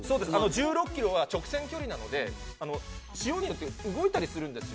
１６キロは直線距離なので、潮によって動いたりするんですよ。